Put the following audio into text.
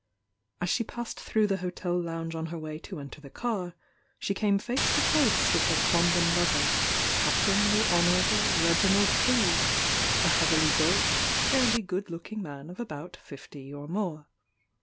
As she passed through the hotel lounge on her way to enter the cr, she came face to face with her quondam lover Captain the Honourable Reginald Cleeve, a heavily built, fau ly good looking man of about fifty or ;nore.